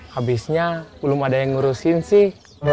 habisnya belum ada yang ngurusin sih